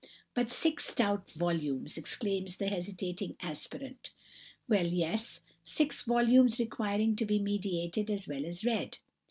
'But six stout volumes!' exclaims the hesitating aspirant: Well, yes; six volumes requiring to be meditated as well as read.